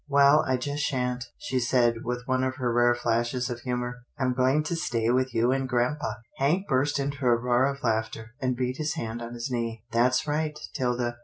Well I just shan't," she said, with one of her rare flashes of humour. I'm going to stay with you and grampa." Hank burst into a roar of laughter, and beat his hand on his knee. " That's right, 'Tilda.